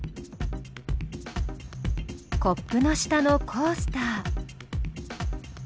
コップの下のコースター。